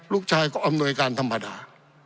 ลูกชายก็อำนวยการธรรมดา